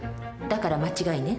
だから間違いね。